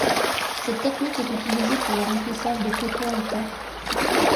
Cette technique est utilisée pour le remplissage des poteaux en terre.